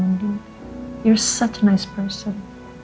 kamu orang yang baik